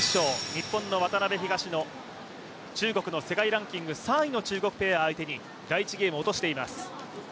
日本の渡辺・東野、中国の世界ランキング３位のペアを相手に第１ゲームを落としています。